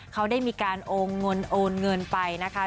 เขาได้มีการโอนเงินโอนเงินไปนะคะ